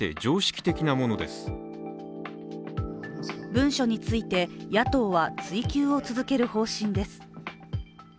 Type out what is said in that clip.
文書について野党は追及を続ける方針です。